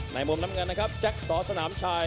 มุมน้ำเงินนะครับแจ็คสอสนามชาย